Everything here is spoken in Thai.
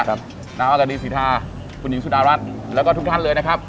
ครับน้ำอักษรีสิทธาคุณหญิงสุดารัสแล้วก็ทุกท่านเลยนะครับ